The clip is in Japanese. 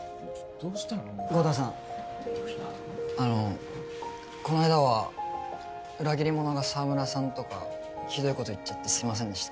豪太さんあのこの間は裏切り者が澤村さんとかひどい事言っちゃってすいませんでした。